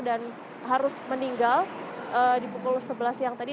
dan harus meninggal di pukul sebelas siang tadi